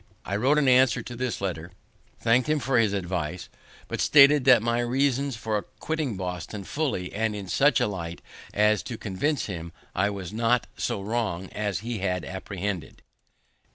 I wrote an answer to his letter, thank'd him for his advice, but stated my reasons for quitting Boston fully and in such a light as to convince him I was not so wrong as he had apprehended.